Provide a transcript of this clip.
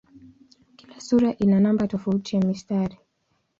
Kila sura ina namba tofauti ya mistari.